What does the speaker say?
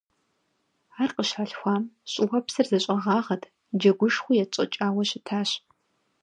Ар къыщалъхуам, щӀыуэпсыр зэщӀэгъэгъат, джэгушхуи етщӀэкӀауэ щытащ.